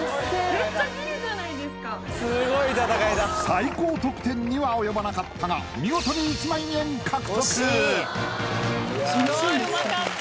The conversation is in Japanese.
最高得点には及ばなかったが見事に１万円獲得